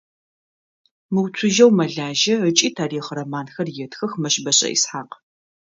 Мыуцужьэу мэлажьэ ыкӏи тарихъ романхэр етхых Мэщбэшӏэ Исхьакъ.